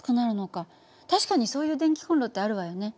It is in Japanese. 確かにそういう電気コンロってあるわよね。